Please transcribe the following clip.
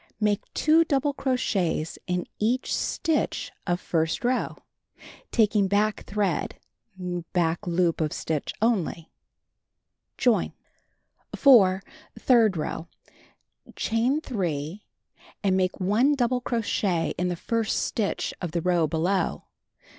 Make 2 double cro chets in each stitch of first row, taking back thread (back loop of stitch) only. Join. 4. Third row: Chain 3, and make 1 double cro chet in the first stitch of the row below.